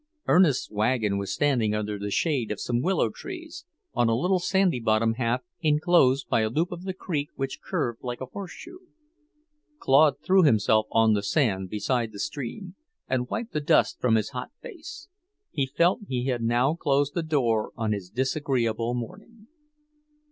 Ernest's wagon was standing under the shade of some willow trees, on a little sandy bottom half enclosed by a loop of the creek which curved like a horseshoe. Claude threw himself on the sand beside the stream and wiped the dust from his hot face. He felt he had now closed the door on his disagreeable morning.